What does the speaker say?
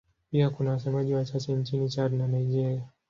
Pia kuna wasemaji wachache nchini Chad na Nigeria.